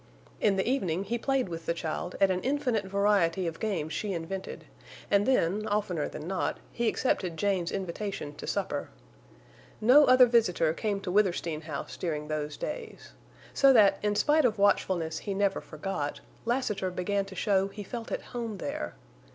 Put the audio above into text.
In the evening he played with the child at an infinite variety of games she invented, and then, oftener than not, he accepted Jane's invitation to supper. No other visitor came to Withersteen House during those days. So that in spite of watchfulness he never forgot, Lassiter began to show he felt at home there.